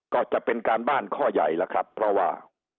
ก็จะเป็นการบ้านข้อใหญ่แล้วครับเพราะว่า